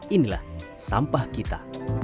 inilah sampah kita